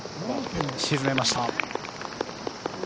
沈めました。